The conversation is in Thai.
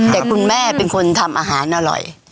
แต่คุณแม่เป็นคนทำอาหารอร่อย